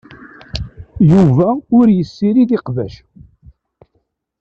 Yuba ur yessirid iqbac.